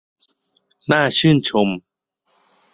น่าชื่นชม